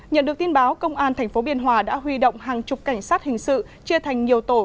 nhận được tin báo công an tp biên hòa đã huy động hàng chục cảnh sát hình sự chia thành nhiều tổ